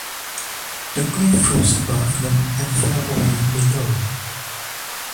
The cliff rose above them and fell away below.